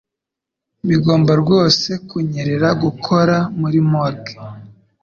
Bigomba rwose kunyerera gukora muri morgue.